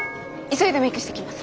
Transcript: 急いでメークしてきます。